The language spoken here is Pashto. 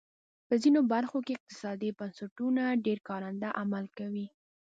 په ځینو برخو کې اقتصادي بنسټونه ډېر کارنده عمل کوي.